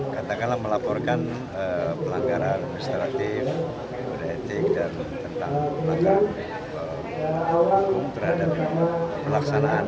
katakanlah melaporkan pelanggaran administratif kode etik dan tentang pelanggaran hukum terhadap pelaksanaan